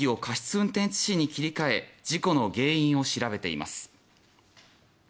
運転致死に切り替え事故の原因を調べています。